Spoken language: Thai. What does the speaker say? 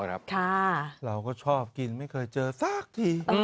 เราก็ชอบกินไม่เคยเจอสักที